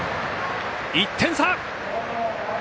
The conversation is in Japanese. １点差！